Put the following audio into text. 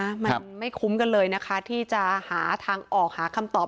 มันไม่คุ้มกันเลยนะคะที่จะหาทางออกหาคำตอบ